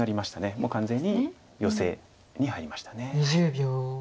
もう完全にヨセに入りました。